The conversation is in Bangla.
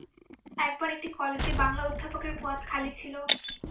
একবার একটি কলেজে বাংলা অধ্যাপকের পদ খালি ছিল।